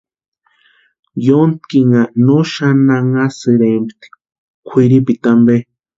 Yóntkinha no xani anhasïrempti kwʼiripita ampe.